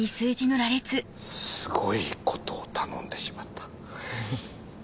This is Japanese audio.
すごいことを頼んでしまった。